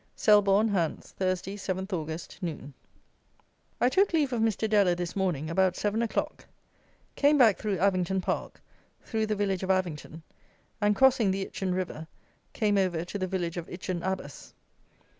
Selborne (Hants), Thursday, 7th August, Noon. I took leave of Mr. Deller this morning, about 7 o'clock. Came back through Avington Park, through the village of Avington, and, crossing the Itchen river, came over to the village of Itchen Abas.